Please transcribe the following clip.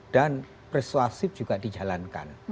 dan persuasif juga dijalankan